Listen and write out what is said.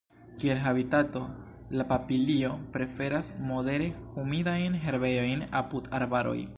Kiel habitato la papilio preferas modere humidajn herbejojn apud arbaroj.